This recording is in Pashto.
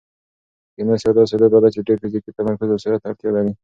تېنس یوه داسې لوبه ده چې ډېر فزیکي تمرکز او سرعت ته اړتیا لري.